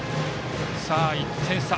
さあ、１点差。